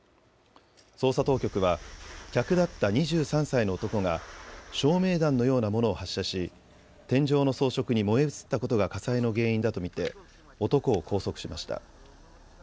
捜査当局は客だった２３歳の男が照明弾のようなものを発射し天井の装飾に燃え移ったことが火災の原因だと見て男を拘束しました。